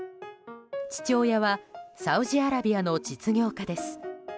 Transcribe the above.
父親はサウジアラビアの実業家です。